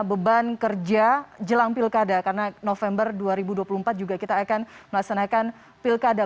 beban kerja jelang pilkada karena november dua ribu dua puluh empat juga kita akan melaksanakan pilkada